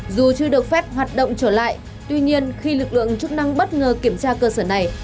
dù chưa được phép hoạt động trở lại tuy nhiên khi lực lượng chức năng bất ngờ kiểm tra cơ sở này